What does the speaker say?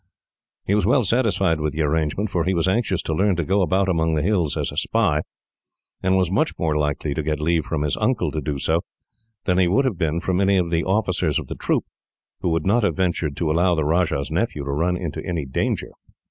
He was well satisfied with the arrangement, for he was anxious to learn to go about among the hills as a spy, and was much more likely to get leave from his uncle to do so, than he would have been from any of the officers of the troop, who would not have ventured to allow the Rajah's nephew to run into danger.